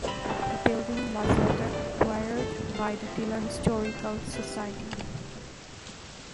The building was later acquired by the Diller Historical Society.